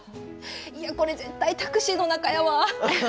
いやこれ絶対タクシーの中やわ。